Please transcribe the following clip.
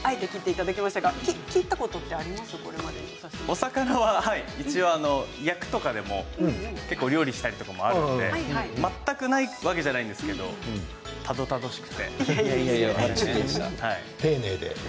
お魚は一応、焼くとかでも結構、料理したりとかもあるので全くないわけじゃないんですけれど丁寧で。